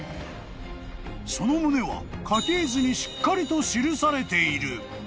［その旨は家系図にしっかりと記されている］